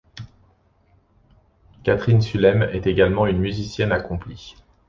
Catherine Sulem est également une musicienne accomplie.